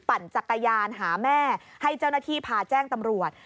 ปั่นจักรยานหาแม่ให้เจ้าหน้าที่พาแจ้งตำรวจ